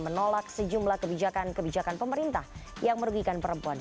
menolak sejumlah kebijakan kebijakan pemerintah yang merugikan perempuan